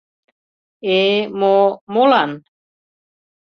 — Э-э, мо-о, молан?